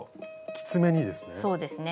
きつめにですね。